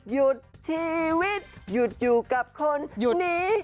ยุดชีวิตยุดอยู่กับคนนี้